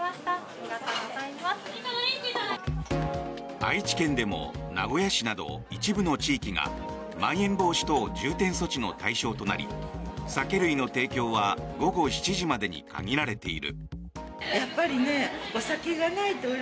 愛知県でも名古屋市など一部の地域がまん延防止等重点措置の対象となり酒類の提供は午後７時までに限られている。